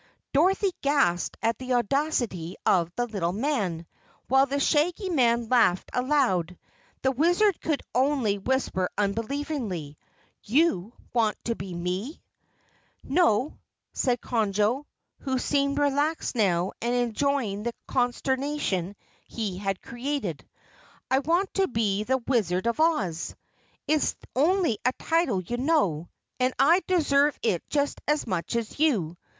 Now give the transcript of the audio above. Dorothy gasped at the audacity of the little man, while the Shaggy Man laughed aloud. The Wizard could only whisper unbelievingly: "You want to be me?" "No," said Conjo, who seemed relaxed now and enjoying the consternation he had created, "I want to be the Wizard of Oz it's only a title you know, and I deserve it just as much as you.